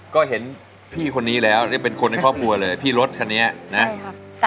ก็เห็นพี่คนนี้แล้วเป็นคนในครอบครัวเลยพี่รถคันนี้นะใช่ครับ